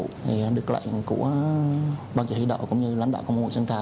thì được lệnh của ban chủ thủy đội cũng như lãnh đạo công an quận sơn trà